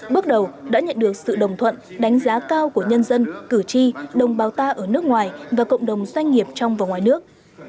bước đầu đã nhận được sự đồng thuận đánh giá cao của nhân dân cử tri đồng bào ta ở nước ngoài và cộng đồng doanh nghiệp trong và ngoài nước